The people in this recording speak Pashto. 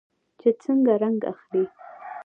چې څنګه رنګ اخلي.